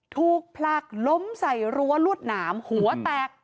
ถูกผลักล้มใส่รั้วลวดหนามหัวแตก